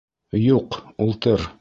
Юҡ, ултыр!